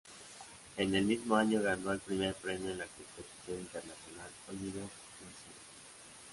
En el mismo año ganó el primer premio en la Competición Internacional Olivier Messiaen.